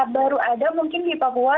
baru ada mungkin di papua